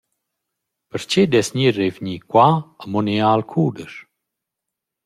Perche dess gnir revgni qua amo üna jada al cudesch?